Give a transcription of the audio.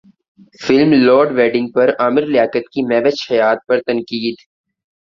film load wedding پر عامر لیاقت کی مہوش حیات پر تنقید